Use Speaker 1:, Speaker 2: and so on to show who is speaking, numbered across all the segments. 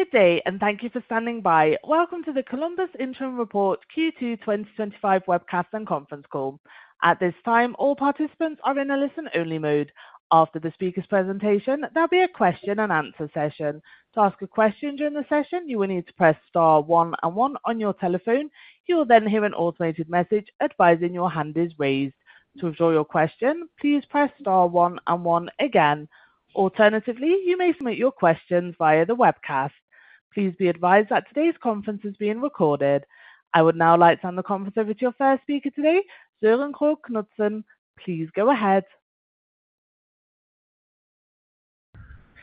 Speaker 1: Good day, and thank you for standing by. Welcome to the Columbus Interim Report Q2 2025 Webcast And Conference Call. At this time, all participants are in a listen-only mode. After the speaker's presentation, there will be a question-and-answer session. To ask a question during the session, you will need to press star one and one on your telephone. You will then hear an automated message advising your hand is raised. To withdraw your question, please press star one and one again. Alternatively, you may submit your questions via the webcast. Please be advised that today's conference is being recorded. I would now like to hand the conference over to our first speaker today, Søren Krogh Knudsen. Please go ahead.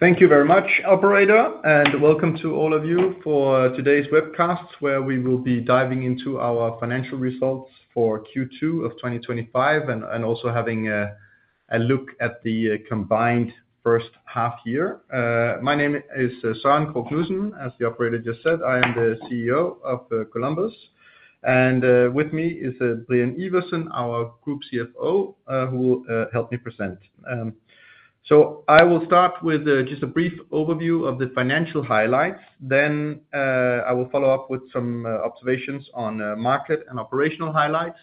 Speaker 2: Thank you very much, operator, and welcome to all of you for today's webcast where we will be diving into our financial results for Q2 of 2025 and also having a look at the combined first half year. My name is Søren Krogh Knudsen, as the operator just said. I am the CEO of Columbus, and with me is Brian Iversen, our Group CFO, who will help me present. I will start with just a brief overview of the financial highlights. I will follow up with some observations on market and operational highlights.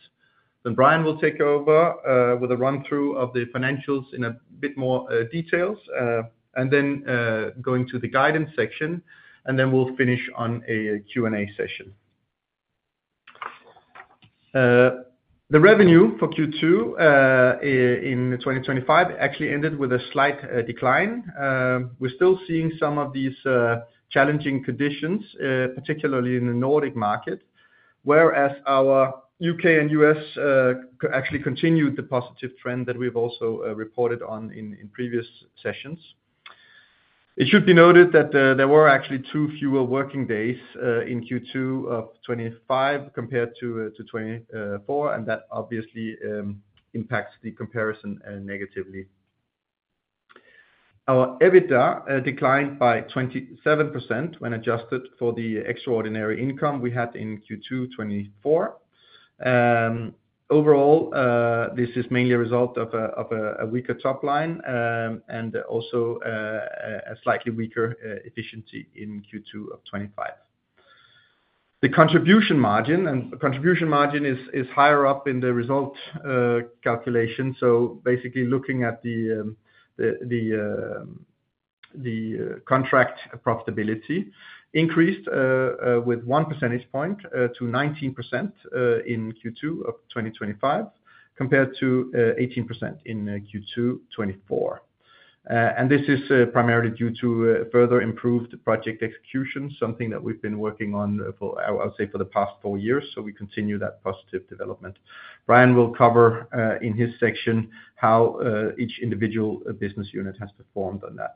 Speaker 2: Brian will take over with a run-through of the financials in a bit more detail and then go into the guidance section, and we'll finish on a Q&A session. The revenue for Q2 in 2025 actually ended with a slight decline. We're still seeing some of these challenging conditions, particularly in the Nordic markets, whereas our U.K. and U.S. actually continued the positive trend that we've also reported on in previous sessions. It should be noted that there were actually two fewer working days in Q2 of 2025 compared to 2024, and that obviously impacts the comparison negatively. Our EBITDA declined by 27% when adjusted for the extraordinary income we had in Q2 of 2024. Overall, this is mainly a result of a weaker top line and also a slightly weaker efficiency in Q2 of 2025. The contribution margin, and the contribution margin is higher up in the result calculation, so basically, looking at the contract profitability, increased with one percentage point to 19% in Q2 of 2025 compared to 18% in Q2 of 2024. This is primarily due to further improved project execution, something that we've been working on for, I would say, for the past four years. We continue that positive development. Brian will cover in his section how each individual business unit has performed on that.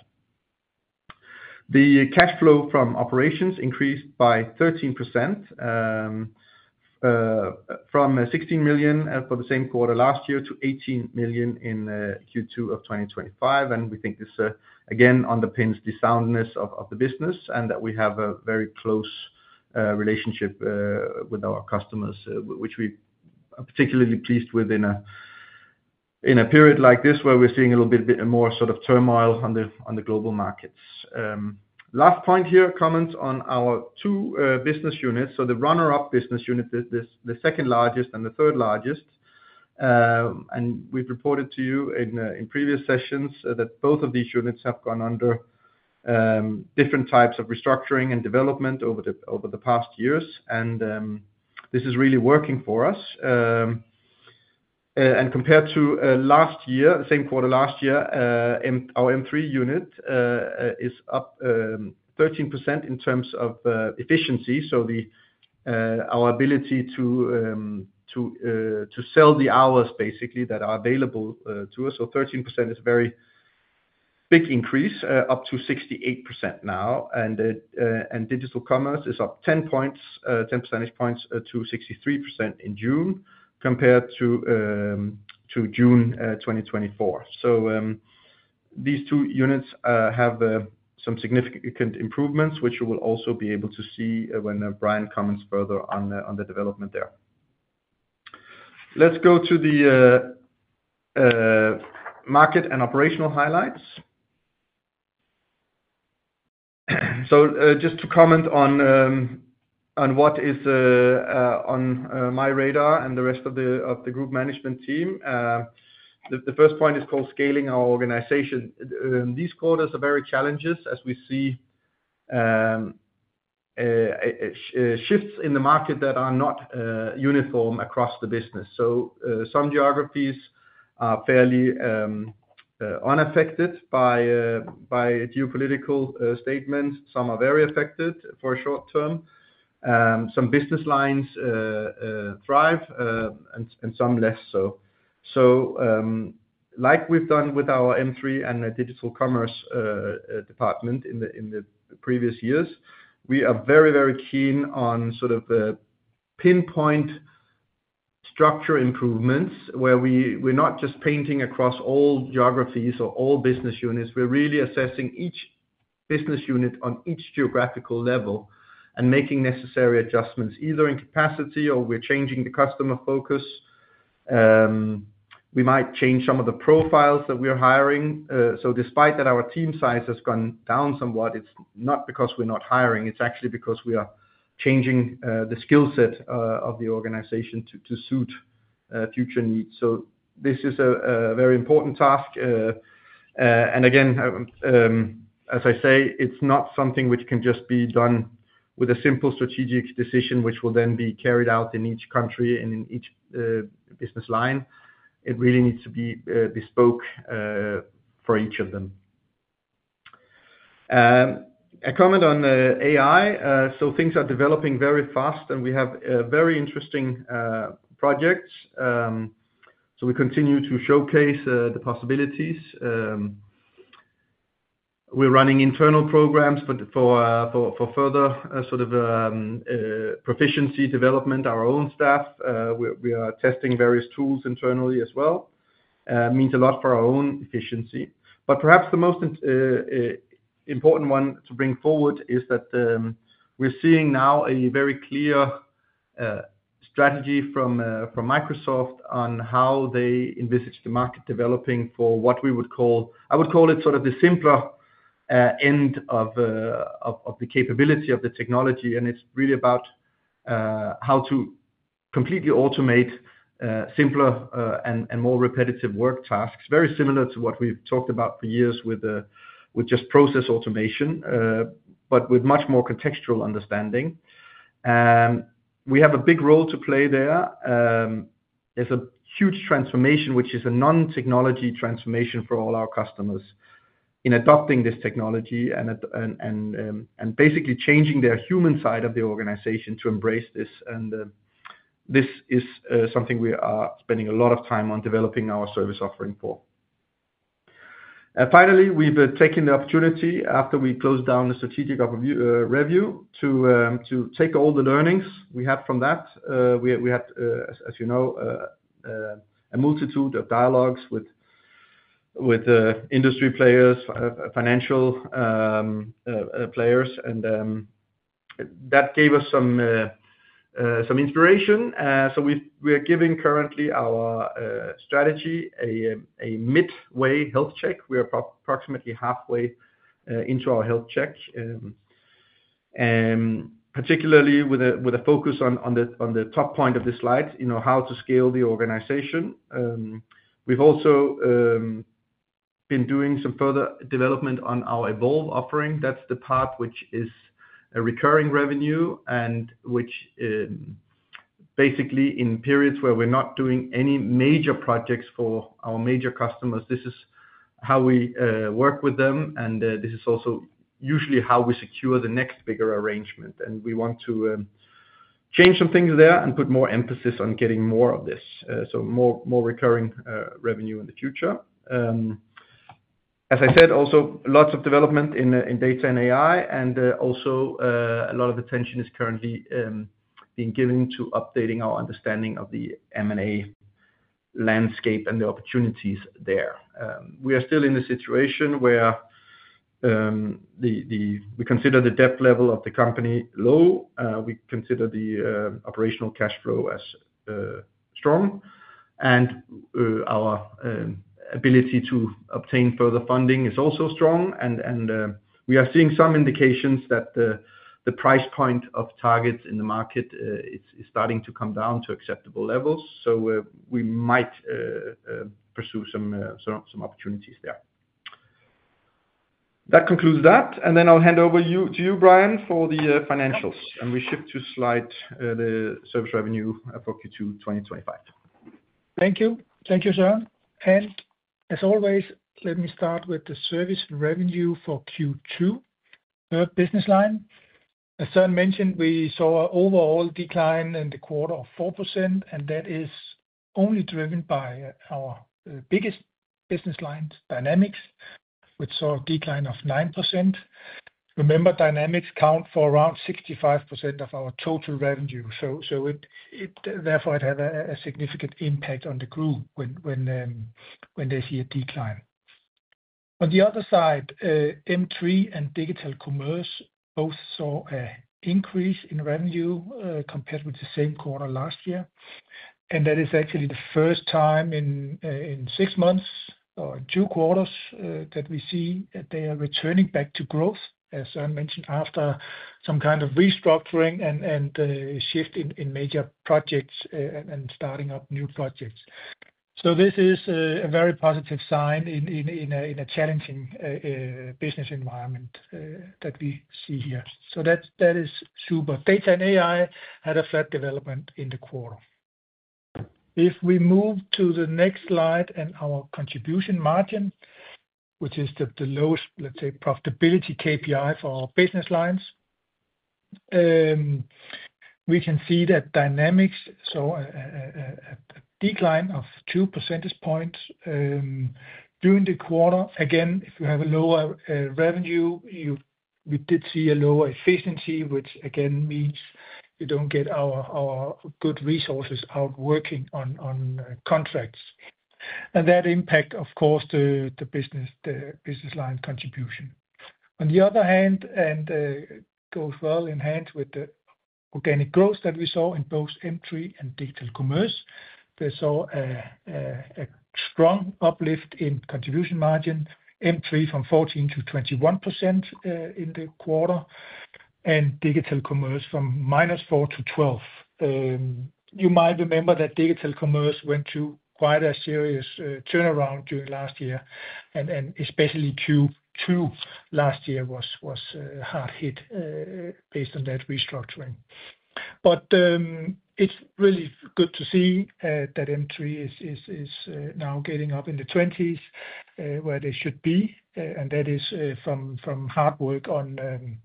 Speaker 2: The cash flow from operations increased by 13% from $16 million for the same quarter last year to $18 million in Q2 of 2025. We think this again underpins the soundness of the business and that we have a very close relationship with our customers, which we are particularly pleased with in a period like this where we're seeing a little bit more sort of turmoil on the global markets. Last point here, comments on our two business units. The runner-up business unit, the second largest and the third largest. We've reported to you in previous sessions that both of these units have gone under different types of restructuring and development over the past years. This is really working for us. Compared to the same quarter last year, our M3 unit is up 13% in terms of efficiency. Our ability to sell the hours basically that are available to us, so 13% is a very big increase up to 68% now. Digital Commerce is up 10 percentage points to 63% in June compared to June 2024. These two units have some significant improvements, which you will also be able to see when Brian comments further on the development there. Let's go to the market and operational highlights. Just to comment on what is on my radar and the rest of the Group Management Team, the first point is called scaling our organization. These quarters are very challenging as we see shifts in the market that are not uniform across the business. Some geographies are fairly unaffected by geopolitical statements. Some are very affected for a short term. Some business lines thrive and some less so. Like we've done with our M3 and the Digital Commerce department in previous years, we are very, very keen on pinpoint structure improvements where we're not just painting across all geographies or all business units. We're really assessing each business unit on each geographical level and making necessary adjustments either in capacity or we're changing the customer focus. We might change some of the profiles that we're hiring. Despite that our team size has gone down somewhat, it's not because we're not hiring. It's actually because we are changing the skill set of the organization to suit future needs. This is a very important task. As I say, it's not something which can just be done with a simple strategic decision which will then be carried out in each country and in each business line. It really needs to be bespoke for each of them. A comment on AI. Things are developing very fast and we have very interesting projects. We continue to showcase the possibilities. We're running internal programs for further proficiency development, our own staff. We are testing various tools internally as well. It means a lot for our own efficiency. Perhaps the most important one to bring forward is that we're seeing now a very clear strategy from Microsoft on how they envisage the market developing for what we would call, I would call it, the simpler end of the capability of the technology. It's really about how to completely automate simpler and more repetitive work tasks, very similar to what we've talked about for years with just process automation, but with much more contextual understanding. We have a big role to play there. There's a huge transformation, which is a non-technology transformation for all our customers in adopting this technology and basically changing their human side of the organization to embrace this. This is something we are spending a lot of time on developing our service offering for. Finally, we've taken the opportunity after we closed down the strategic review to take all the learnings we had from that. We had, as you know, a multitude of dialogues with industry players, financial players, and that gave us some inspiration. We are giving currently our strategy a midway health check. We are approximately halfway into our health check, particularly with a focus on the top point of the slides, you know how to scale the organization. We've also been doing some further development on our Evolve offering. That's the part which is a recurring revenue and which basically in periods where we're not doing any major projects for our major customers, this is how we work with them. This is also usually how we secure the next bigger arrangement. We want to change some things there and put more emphasis on getting more of this, so more recurring revenue in the future. As I said, also lots of development in data and AI, and also a lot of attention is currently being given to updating our understanding of the M&A landscape and the opportunities there. We are still in a situation where we consider the debt level of the company low. We consider the operational cash flow as strong, and our ability to obtain further funding is also strong. We are seeing some indications that the price point of targets in the market is starting to come down to acceptable levels. We might pursue some opportunities there. That concludes that. I'll hand over to you, Brian, for the financials. We shift to slide the service revenue for Q2 2025.
Speaker 3: Thank you. Thank you, Søren. As always, let me start with the service revenue for Q2 business line. As Søren mentioned, we saw an overall decline in the quarter of 4%, and that is only driven by our biggest business line, Dynamics, which saw a decline of 9%. Remember, Dynamics accounts for around 65% of our total revenue. Therefore, it had a significant impact on the group when they see a decline. On the other side, M3 and Digital Commerce both saw an increase in revenue compared with the same quarter last year. That is actually the first time in six months or in two quarters that we see that they are returning back to growth, as Søren mentioned, after some kind of restructuring and a shift in major projects and starting up new projects. This is a very positive sign in a challenging business environment that we see here. That is super. Data and AI had a flat development in the quarter. If we move to the next slide and our contribution margin, which is the lowest, let's say, profitability KPI for our business lines, we can see that Dynamics saw a decline of 2 percentage points during the quarter. Again, if you have a lower revenue, we did see a lower efficiency, which again means you don't get our good resources out working on contracts. That impacts, of course, the business line contribution. On the other hand, and it goes well in hand with the organic growth that we saw in both M3 and Digital Commerce, we saw a strong uplift in contribution margin, M3 from 14% to 21% in the quarter, and Digital Commerce from minus 4% to 12%. You might remember that Digital Commerce went through quite a serious turnaround during last year, and especially Q2 last year was a hard hit based on that restructuring. It's really good to see that M3 is now getting up in the 20s where they should be, and that is from hard work on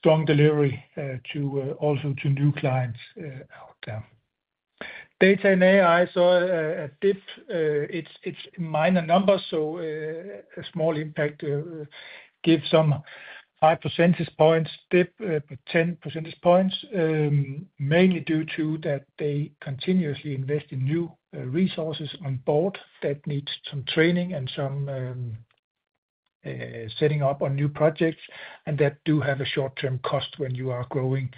Speaker 3: strong delivery to also new clients out there. Data and AI saw a dip; it's minor numbers, so a small impact gives some high percentage points, dip 10 percentage points, mainly due to that they continuously invest in new resources on board that need some training and some setting up on new projects and that do have a short-term cost when you are growing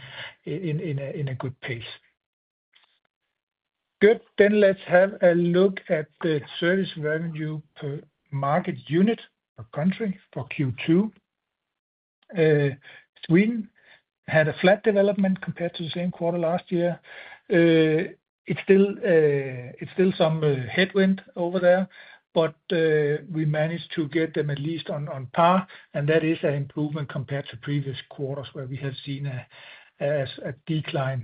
Speaker 3: in a good pace. Let's have a look at the service revenue per market unit or country for Q2. Sweden had a flat development compared to the same quarter last year. It's still some headwind over there, but we managed to get them at least on par. That is an improvement compared to previous quarters where we have seen a decline,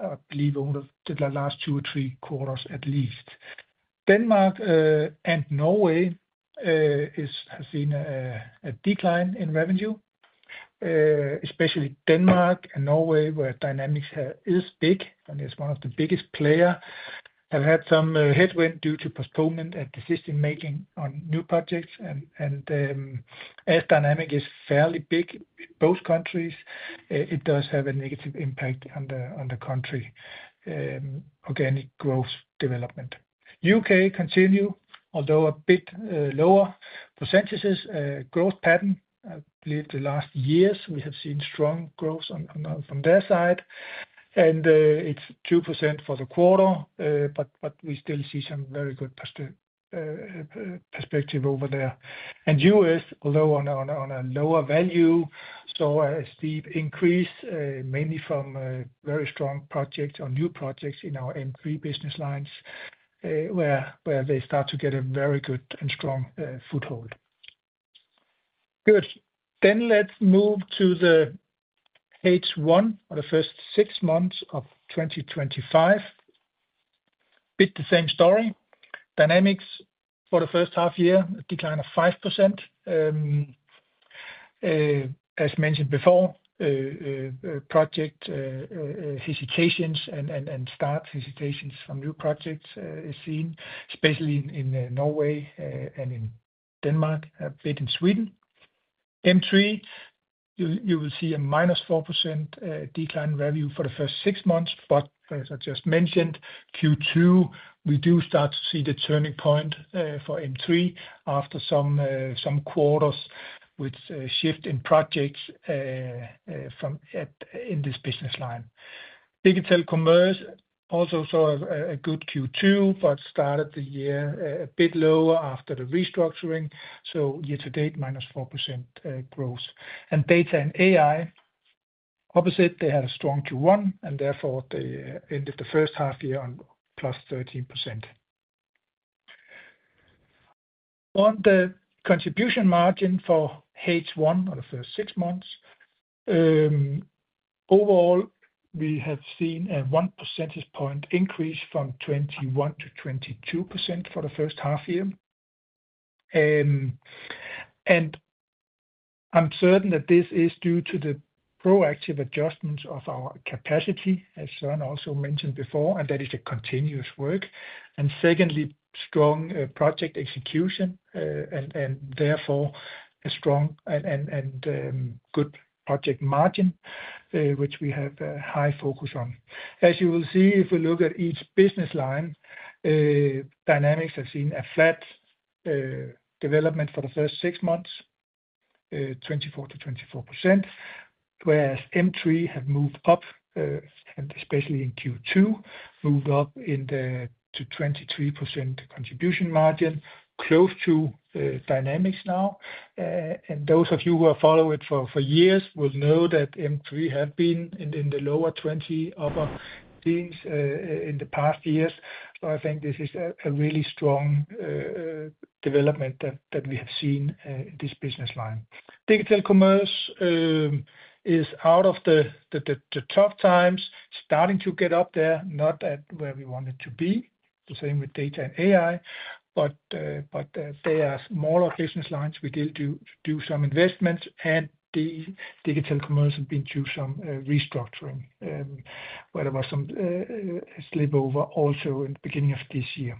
Speaker 3: I believe over the last two or three quarters at least. Denmark and Norway have seen a decline in revenue, especially Denmark and Norway, where Dynamics is big, and it's one of the biggest players. They've had some headwind due to postponement and decision-making on new projects. As Dynamics is fairly big in both countries, it does have a negative impact on the country's organic growth development. The U.K. continues, although a bit lower percentages. Growth pattern, I believe the last years, we have seen strong growth from their side. It's 2% for the quarter, but we still see some very good perspective over there. The U.S., although on a lower value, saw a steep increase, mainly from very strong projects or new projects in our M3 business lines where they start to get a very good and strong foothold. Good. Let's move to the page one of the first six months of 2025. A bit the same story. Dynamics for the first half year, a decline of 5%. As mentioned before, project hesitations and start hesitations from new projects are seen, especially in Norway and in Denmark, a bit in Sweden. M3, you will see a minus 4% decline in revenue for the first six months. As I just mentioned, Q2, we do start to see the turning point for M3 after some quarters with a shift in projects in this business line. Digital Commerce also saw a good Q2, but started the year a bit lower after the restructuring. Year-to-date, minus 4% growth. Data and AI, opposite, they had a strong Q1, and therefore, they ended the first half year on plus 13%. On the contribution margin for page one of the first six months, overall, we have seen a 1 percentage point increase from 21% to 22% for the first half year. I'm certain that this is due to the proactive adjustments of our capacity, as Søren also mentioned before, and that is a continuous work. Secondly, strong project execution and therefore a strong and good project margin, which we have a high focus on. As you will see, if we look at each business line, Dynamics has seen a flat development for the first six months, 24% to 24%, whereas M3 have moved up, and especially in Q2, moved up to 23% contribution margin, close to Dynamics now. Those of you who have followed it for years will know that M3 had been in the lower 20, upper things in the past years. I think this is a really strong development that we have seen in this business line. Digital Commerce is out of the tough times, starting to get up there, not at where we want it to be, the same with data and AI. There are smaller business lines, we did do some investments, and Digital Commerce has been through some restructuring where there was some slipover also in the beginning of this year.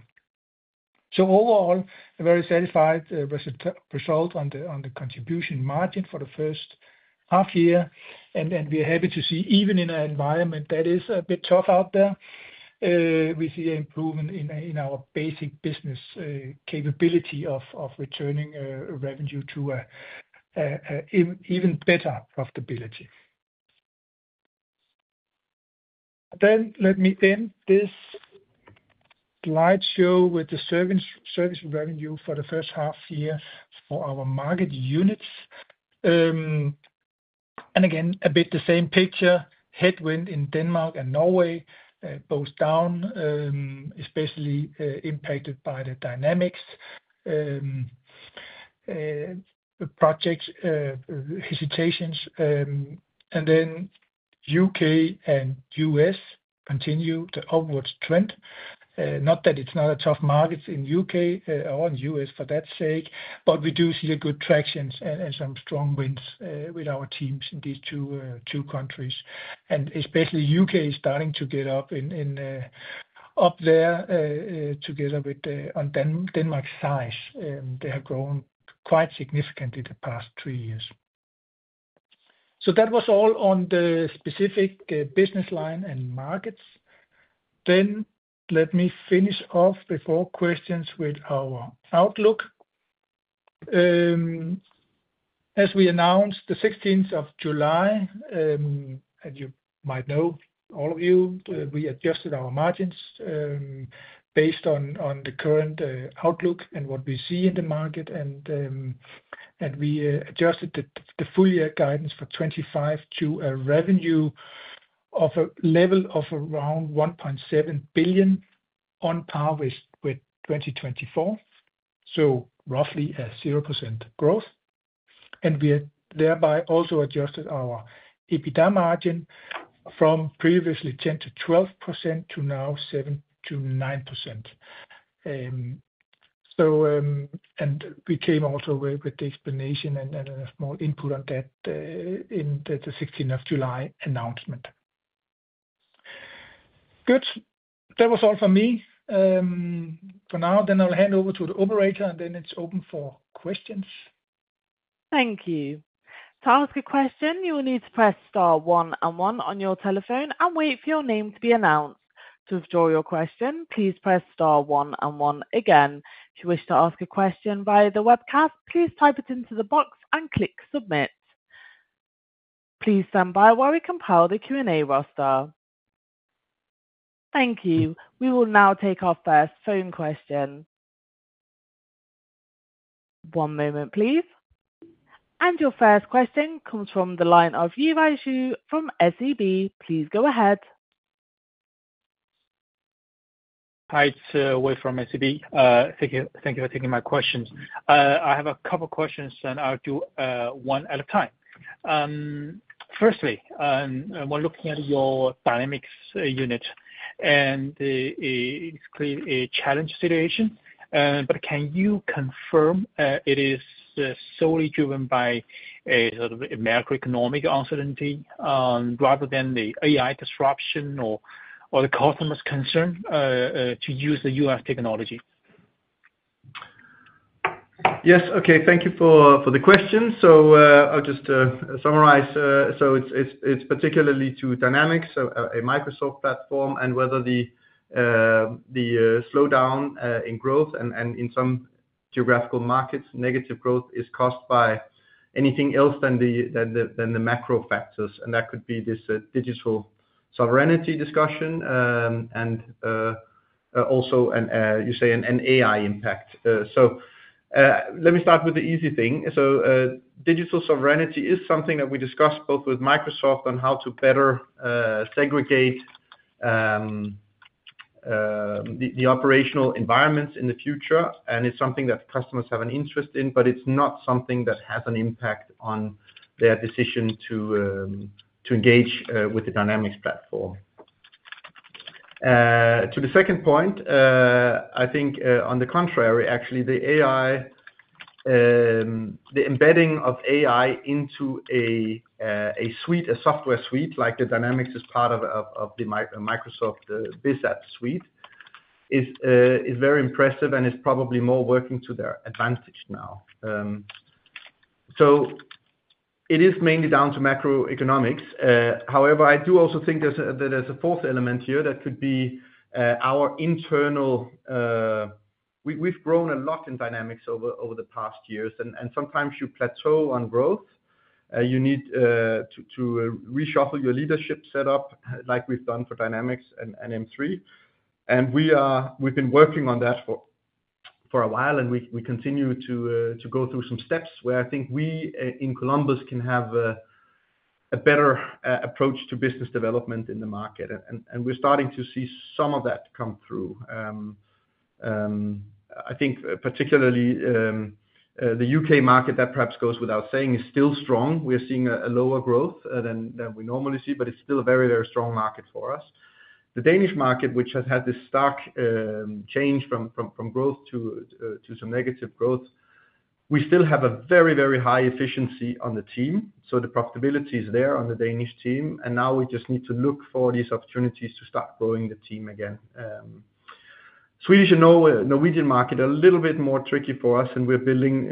Speaker 3: Overall, a very satisfied result on the contribution margin for the first half year. We are happy to see even in an environment that is a bit tough out there, we see an improvement in our basic business capability of returning revenue to an even better profitability. Let me end this slideshow with the service revenue for the first half year for our market units. Again, a bit the same picture, headwind in Denmark and Norway, both down, especially impacted by the Dynamics project hesitations. U.K. and U.S. continue the upward trend. Not that it's not a tough market in the U.K. or in the U.S. for that sake, but we do see a good traction and some strong wins with our teams in these two countries. Especially the U.K. is starting to get up there together with Denmark's size. They have grown quite significantly in the past three years. That was all on the specific business line and markets. Let me finish off before questions with our outlook. As we announced the 16th of July, and you might know, all of you, we adjusted our margins based on the current outlook and what we see in the market. We adjusted the full-year guidance for 2025 to a revenue of a level of around 1.7 billion on par with 2024. Roughly a 0% growth. We have thereby also adjusted our EBITDA margin from previously 10% to 12% to now 7% to 9%. We came also away with the explanation and a small input on that in the 16th of July announcement. That was all for me for now. I'll hand over to the operator, and then it's open for questions.
Speaker 1: Thank you. To ask a question, you will need to press star one and one on your telephone and wait for your name to be announced. To withdraw your question, please press star one and one again. If you wish to ask a question via the webcast, please type it into the box and click submit. Please stand by while we compile the Q&A roster. Thank you. We will now take our first phone question. One moment, please. Your first question comes from the line of Yi Wei Xu from SEB. Please go ahead.
Speaker 4: Hi. It's Wei from SEB. Thank you for taking my questions. I have a couple of questions, and I'll do one at a time. Firstly, we're looking at your Dynamics unit, and it's clearly a challenge situation. Can you confirm it is solely driven by a sort of macroeconomic uncertainty rather than the AI disruption or the customers' concern to use the U.S. technology?
Speaker 2: Yes. Okay. Thank you for the question. I'll just summarize. It's particularly to Dynamics, a Microsoft platform, and whether the slowdown in growth and in some geographical markets, negative growth, is caused by anything else than the macro factors. That could be this digital sovereignty discussion and also, you say, an AI impact. Let me start with the easy thing. Digital sovereignty is something that we discussed both with Microsoft on how to better segregate the operational environments in the future. It's something that customers have an interest in, but it's not something that has an impact on their decision to engage with the Dynamics platform. To the second point, I think on the contrary, actually, the embedding of AI into a software suite like Dynamics as part of the Microsoft Biz Apps suite is very impressive and is probably more working to their advantage now. It is mainly down to macroeconomics. However, I do also think that there's a fourth element here that could be our internal, we've grown a lot in Dynamics over the past years. Sometimes you plateau on growth. You need to reshuffle your leadership setup like we've done for Dynamics and M3. We've been working on that for a while, and we continue to go through some steps where I think we in Columbus can have a better approach to business development in the market. We're starting to see some of that come through. I think particularly the U.K. market, that perhaps goes without saying, is still strong. We're seeing a lower growth than we normally see, but it's still a very, very strong market for us. The Danish market, which has had this stark change from growth to some negative growth, we still have a very, very high efficiency on the team. The profitability is there on the Danish team. Now we just need to look for these opportunities to start growing the team again. Swedish and Norwegian market are a little bit more tricky for us, and we're building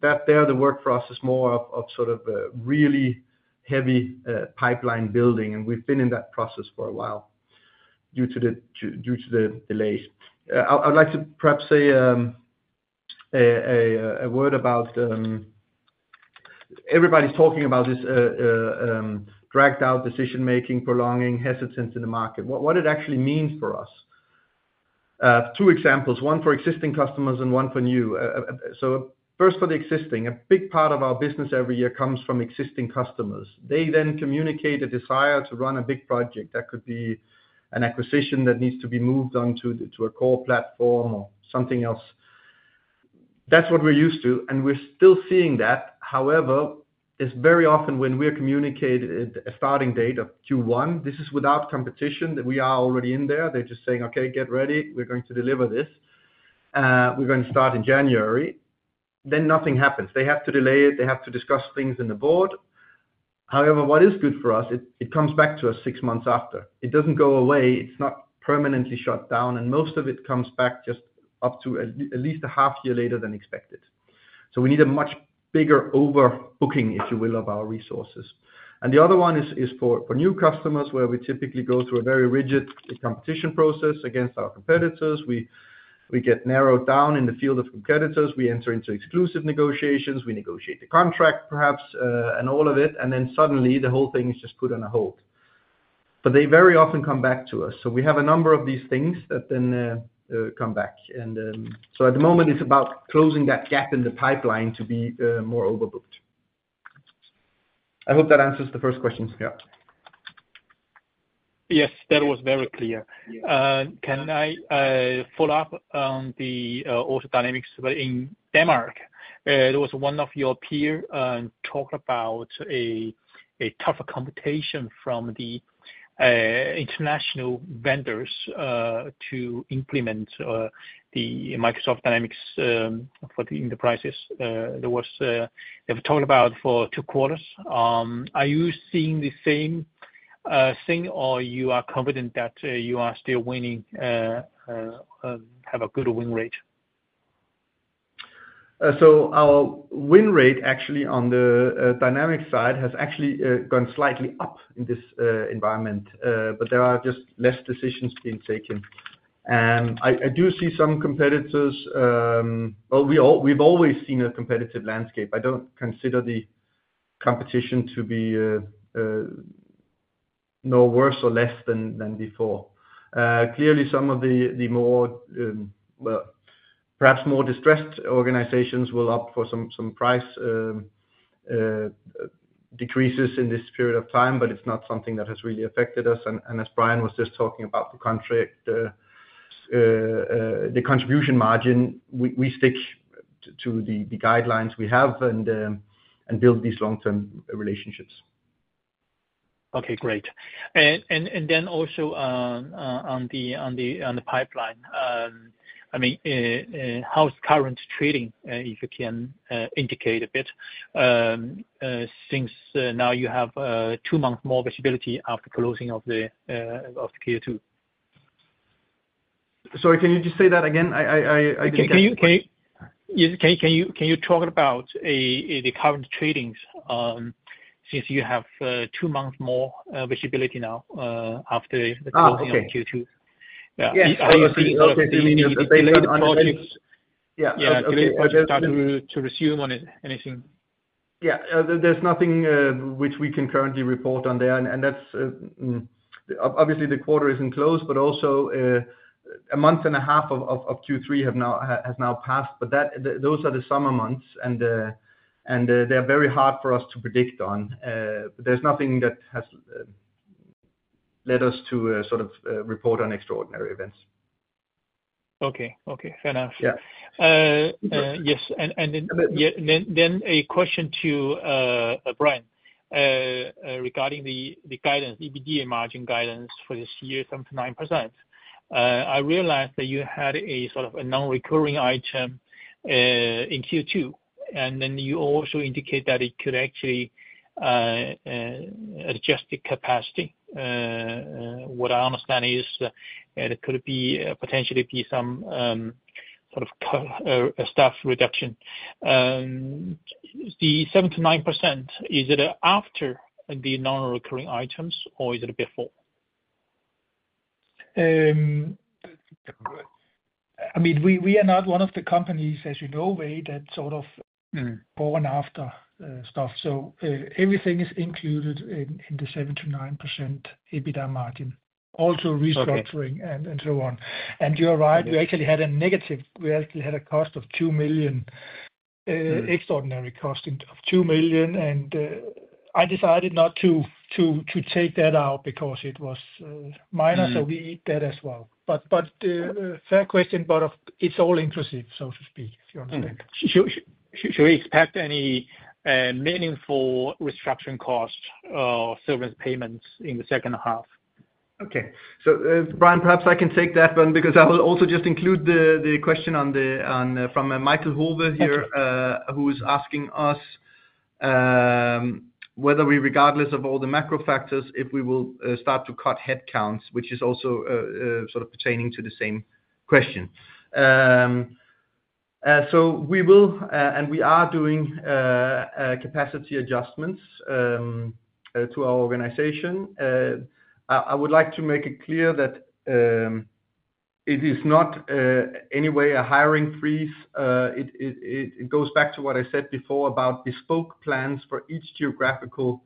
Speaker 2: that there. The work for us is more of really heavy pipeline building, and we've been in that process for a while due to the delays. I would like to perhaps say a word about everybody's talking about this dragged-out decision-making, prolonging hesitance in the market. What it actually means for us, two examples, one for existing customers and one for new. First for the existing, a big part of our business every year comes from existing customers. They then communicate a desire to run a big project. That could be an acquisition that needs to be moved on to a core platform or something else. That's what we're used to, and we're still seeing that. However, it's very often when we're communicated a starting date of Q1, this is without competition that we are already in there. They're just saying, "Okay, get ready. We're going to deliver this. We're going to start in January." Nothing happens. They have to delay it. They have to discuss things in the board. However, what is good for us, it comes back to us six months after. It doesn't go away. It's not permanently shut down. Most of it comes back just up to at least a half year later than expected. We need a much bigger overbooking, if you will, of our resources. The other one is for new customers where we typically go through a very rigid competition process against our competitors. We get narrowed down in the field of competitors. We enter into exclusive negotiations. We negotiate the contract, perhaps, and all of it. Suddenly, the whole thing is just put on a hold. They very often come back to us. We have a number of these things that then come back. At the moment, it's about closing that gap in the pipeline to be more overbooked. I hope that answers the first questions.
Speaker 4: Yes, that was very clear. Can I follow up on also Dynamics? In Denmark, there was one of your peers talking about tougher competition from the international vendors to implement the Microsoft Dynamics for the enterprises. They were talking about it for two quarters. Are you seeing the same thing, or are you confident that you are still winning and have a good win rate?
Speaker 2: Our win rate, actually, on the Dynamics side has actually gone slightly up in this environment, but there are just less decisions being taken. I do see some competitors. We've always seen a competitive landscape. I don't consider the competition to be worse or less than before. Clearly, some of the more, perhaps more distressed organizations will opt for some price decreases in this period of time, but it's not something that has really affected us. As Brian was just talking about the contribution margin, we stick to the guidelines we have and build these long-term relationships.
Speaker 4: Okay. Great. Also, on the pipeline, how is current trading, if you can indicate a bit since now you have two months more visibility after closing of the Q2?
Speaker 2: Sorry, can you just say that again?
Speaker 4: Can you talk about the current trading since you have two months more visibility now after the closing of Q2?
Speaker 2: Yeah.
Speaker 4: Yes.
Speaker 2: Okay. So you mean they lean on.
Speaker 4: Yeah.
Speaker 2: Okay.
Speaker 4: To resume on anything?
Speaker 2: Yeah. There's nothing which we can currently report on there. The quarter isn't closed, but also a month and a half of Q3 has now passed. Those are the summer months, and they're very hard for us to predict on. There's nothing that has led us to sort of report on extraordinary events.
Speaker 4: Okay. Fair enough.
Speaker 2: Yeah.
Speaker 4: Yes. A question to Brian regarding the EBITDA margin guidance for this year, 7%-9%. I realized that you had a sort of a non-recurring item in Q2. You also indicate that it could actually adjust the capacity. What I understand is that it could potentially be some sort of staff reduction. The 7%-9%, is it after the non-recurring items, or is it before?
Speaker 3: I mean, we are not one of the companies, as you know, Wei, that sort of born after stuff. Everything is included in the 7%-9% EBITDA margin, also restructuring and so on. You're right. We actually had a negative. We actually had a cost of $2 million, extraordinary cost of $2 million. I decided not to take that out because it was minor. We eat that as well. Fair question, but it's all inclusive, so to speak, if you understand.
Speaker 4: Should we expect any meaningful restructuring costs or service payments in the second half?
Speaker 2: Okay. Brian, perhaps I can take that one because I will also just include the question from Michael Hoover here, who's asking us whether we, regardless of all the macro factors, if we will start to cut headcounts, which is also sort of pertaining to the same question. We will, and we are doing capacity adjustments to our organization. I would like to make it clear that it is not in any way a hiring freeze. It goes back to what I said before about bespoke plans for each geographical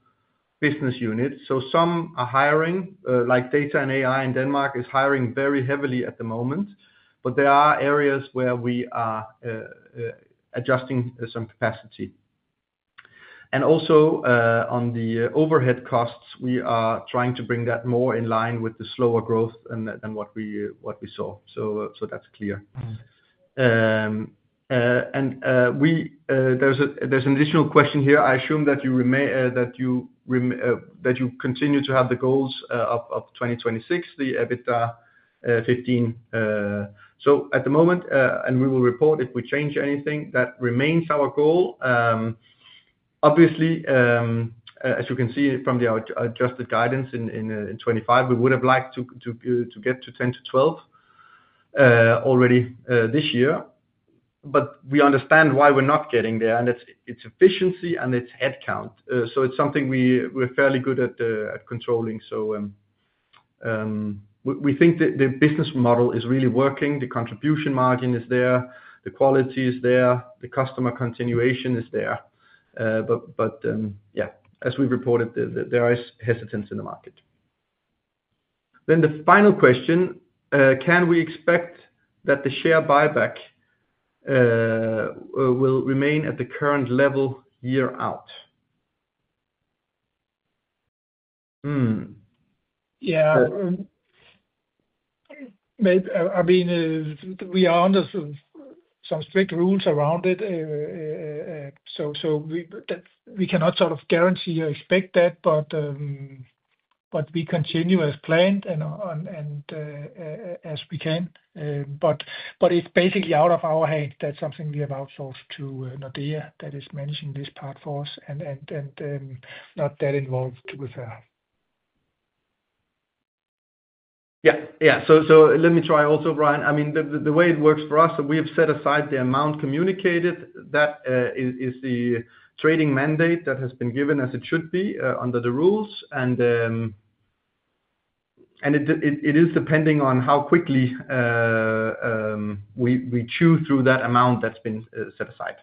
Speaker 2: business unit. Some are hiring, like data and AI in Denmark is hiring very heavily at the moment. There are areas where we are adjusting some capacity. Also, on the overhead costs, we are trying to bring that more in line with the slower growth than what we saw. That's clear. There's an additional question here. I assume that you continue to have the goals of 2026, the EBITDA 15%. At the moment, and we will report if we change anything, that remains our goal. Obviously, as you can see from the adjusted guidance in 2025, we would have liked to get to 10%-12% already this year. We understand why we're not getting there, and it's efficiency and it's headcount. It's something we're fairly good at controlling. We think that the business model is really working. The contribution margin is there. The quality is there. The customer continuation is there. As we reported, there is hesitance in the market. The final question, can we expect that the share buyback will remain at the current level year out?
Speaker 3: Yeah, I mean, we are under some strict rules around it. We cannot sort of guarantee or expect that, but we continue as planned and as we can. It's basically out of our hands. That's something we have outsourced to Nordea that is managing this part for us and we're not that involved with that.
Speaker 2: Yeah. Let me try also, Brian. The way it works for us, we've set aside the amount communicated. That is the trading mandate that has been given as it should be under the rules. It is depending on how quickly we chew through that amount that's been set aside.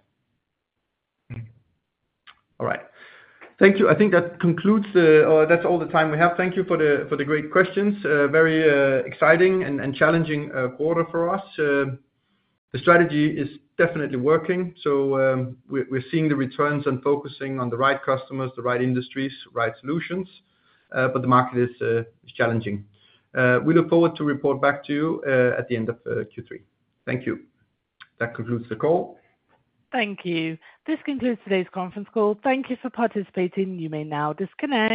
Speaker 2: All right. Thank you. I think that concludes, or that's all the time we have. Thank you for the great questions. Very exciting and challenging quarter for us. The strategy is definitely working. We're seeing the returns and focusing on the right customers, the right industries, the right solutions. The market is challenging. We look forward to report back to you at the end of Q3. Thank you. That concludes the call.
Speaker 1: Thank you. This concludes today's conference call. Thank you for participating. You may now disconnect.